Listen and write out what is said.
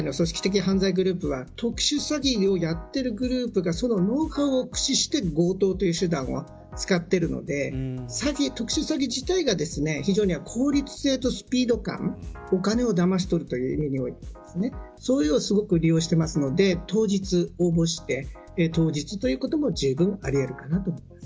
犯罪グループは特殊詐欺をやっているグループがそのノウハウを駆使して強盗という手段を使っているので特殊詐欺自体が非常に効率性とスピード感をお金をだまし取るという意味においてですねそれをすごく利用しているので当日、応募して当日ということもじゅうぶんありえるかなと思います。